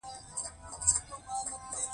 کتابچه یو خاموش ښوونکی دی